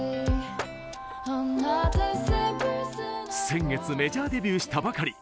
先月メジャーデビューしたばかり！